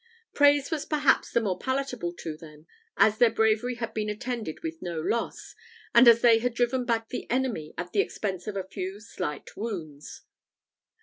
Praise was perhaps the more palatable to them, as their bravery had been attended with no loss, and as they had driven back the enemy at the expense of a few slight wounds.